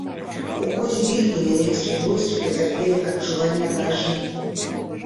У ходзе бітвы нямецкія войскі пацярпелі адчувальнае паражэнне.